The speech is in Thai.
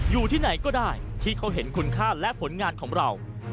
อยู่ที่ไหนก็ได้ที่เขาเห็นคุณค่าและผลงานของเรา